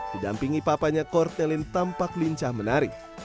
didampingi papanya kourtney lynn tampak lincah menari